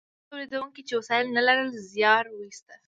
هغو تولیدونکو چې وسایل نه لرل زیار ویسته.